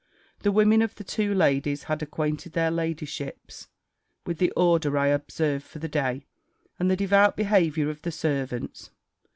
The women of the two ladies had acquainted their ladyships with the order I observed for the day, and the devout behaviour of the servants.